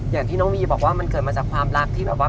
อย่างที่น้องวีบอกว่ามันเกิดมาจากความรักที่แบบว่า